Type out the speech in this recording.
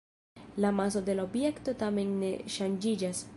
La maso de la objekto tamen ne ŝanĝiĝas.